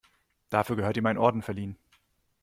Dafür gehört ihm ein Orden verliehen.